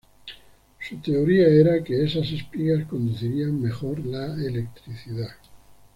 Su teoría era que esas espigas conducirían mejor la electricidad.